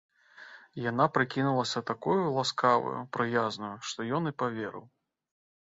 Яна прыкінулася такою ласкаваю, прыязнаю, што ён і паверыў.